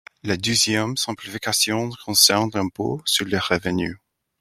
La deuxième simplification concerne l’impôt sur le revenu.